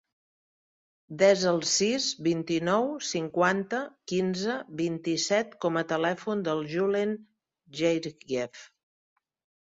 Desa el sis, vint-i-nou, cinquanta, quinze, vint-i-set com a telèfon del Julen Georgiev.